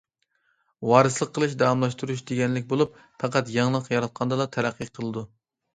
ۋارىسلىق قىلىش داۋاملاشتۇرۇش دېگەنلىك بولۇپ، پەقەت يېڭىلىق ياراتقاندىلا تەرەققىي قىلىدۇ.